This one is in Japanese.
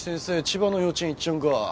千葉の幼稚園行っちゃうんが。